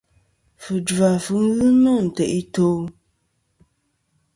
Fujva fɨ ghɨ nô ntè' i to'.